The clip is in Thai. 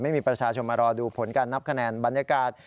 ไม่มีประชาชนมารอดูผลการนับคะแนนบรรยากาศ